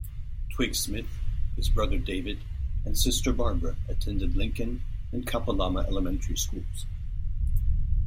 Twigg-Smith, his brother David, and sister Barbara attended Lincoln and Kapalama elementary schools.